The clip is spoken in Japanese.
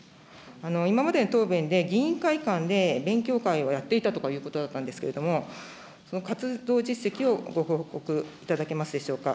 今までの答弁で、議員会館で勉強会をやっていたということだったんですけれども、その活動実績をご報告いただけますでしょうか。